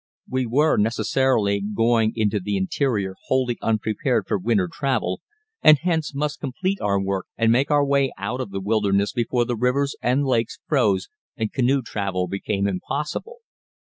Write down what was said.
We were necessarily going into the interior wholly unprepared for winter travel, and hence must complete our work and make our way out of the wilderness before the rivers and lakes froze and canoe travel became impossible.